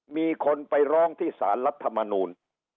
มีคนไปร้องที่สารรัฐมนูล